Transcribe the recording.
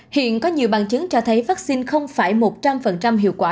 hiện có nhiều bằng chứng cho thấy vaccine không phải một trăm linh hiệu quả